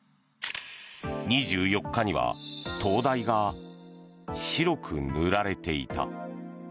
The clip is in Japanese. ２４日には灯台が白く塗られていた。